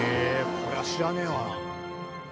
こりゃ知らねえわ。